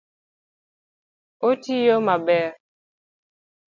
Otiyo maber?